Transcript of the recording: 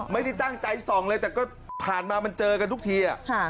ไม่ได้ตั้งใจส่องเลยแต่ก็ผ่านมามันเจอกันทุกที